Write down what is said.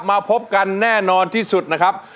มาพบกันแน่นอนที่สุดนะครับ